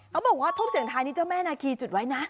เขาบอกว่าทุ่มเสียงท้ายนี่เจ้าแม่นาคีจุดไว้นะ